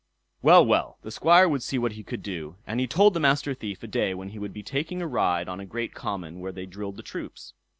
Well, well, the Squire would see what he could do; and he told the Master Thief a day when he would be taking a ride on a great common where they drilled the troops.